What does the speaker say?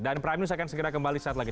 dan prime news akan segera kembali saat lagi